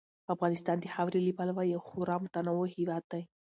افغانستان د خاورې له پلوه یو خورا متنوع هېواد دی.